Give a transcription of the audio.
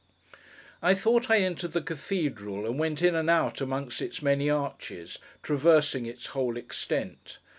I thought I entered the Cathedral, and went in and out among its many arches: traversing its whole extent.